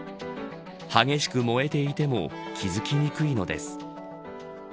激しく燃えていても気付きにくいのです。